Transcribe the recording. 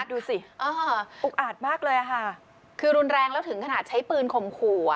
ดูสิอุกอาจมากเลยค่ะคือรุนแรงแล้วถึงขนาดใช้ปืนข่มขู่อ่ะ